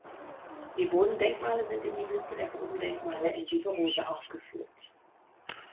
Die Bodendenkmale sind in der Liste der Bodendenkmale in Lieberose aufgeführt.